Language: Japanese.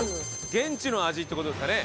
現地の味って事ですかね。